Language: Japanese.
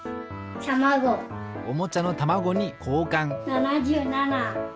７７。